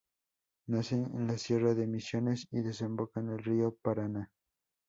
Nace en la Sierra de Misiones y desemboca en el Río Paraná.